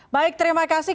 baik terima kasih